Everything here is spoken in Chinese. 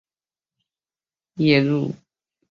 黄顶夜鹭之一。